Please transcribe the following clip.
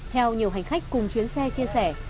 theo nhiều hành khách cùng chuyến xe chia sẻ